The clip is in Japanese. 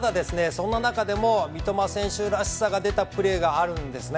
そんな中でも三笘選手らしさが出たプレーがあるんですね。